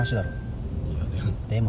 いやでも。